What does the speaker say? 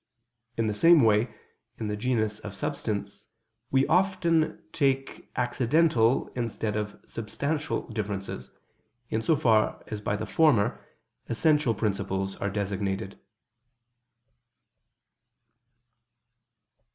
In the same way, in the genus of substance we often take accidental instead of substantial differences, in so far as by the former, essential principles are designated.